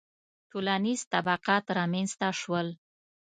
• ټولنیز طبقات رامنځته شول.